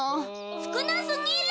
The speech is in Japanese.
すくなすぎる。